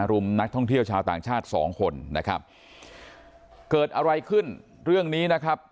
รุมนักท่องเที่ยวชาวต่างชาติสองคนนะครับเกิดอะไรขึ้นเรื่องนี้นะครับ